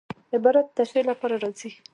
عبارت د تشریح له پاره راځي.